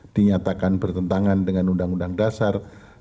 dinyatakan bertentangan dengan undang undang dasar seribu sembilan ratus empat puluh